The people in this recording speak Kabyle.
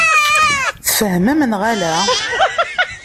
Tfehmem neɣ ala?